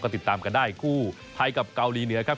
ติดตามกันได้คู่ไทยกับเกาหลีเหนือครับ